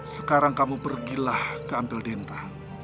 sekarang kamu pergilah ke ampel denta